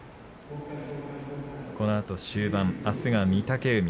このあと終盤あすは御嶽海。